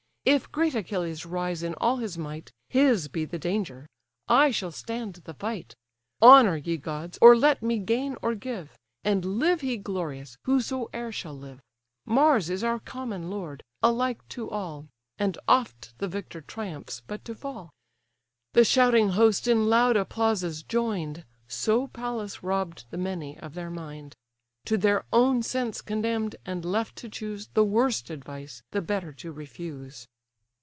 If great Achilles rise in all his might, His be the danger: I shall stand the fight. Honour, ye gods! or let me gain or give; And live he glorious, whosoe'er shall live! Mars is our common lord, alike to all; And oft the victor triumphs, but to fall." The shouting host in loud applauses join'd; So Pallas robb'd the many of their mind; To their own sense condemn'd, and left to choose The worst advice, the better to refuse.